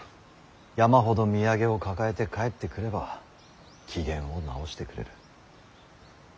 山ほど土産を抱えて帰ってくれば機嫌を直してくれる。